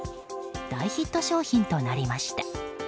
大ヒット商品となりました。